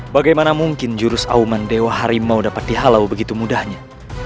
bagaimana mungkin jurus auman dewa harimau dapat dihalau begitu mudahnya